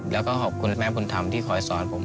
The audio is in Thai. แล้วก็ขอบคุณแม่บุญธรรมที่คอยสอนผม